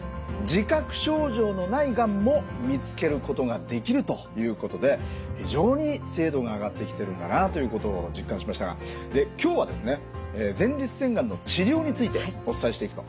自覚症状のないがんも見つけることができるということで非常に精度が上がってきてるんだなということを実感しましたが今日はですね前立腺がんの治療についてお伝えしていくと。